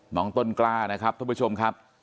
น้องต้นกล้านะครับท่านผู้ชมครับ